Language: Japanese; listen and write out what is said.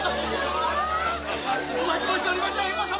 お待ち申しておりましたユパ様！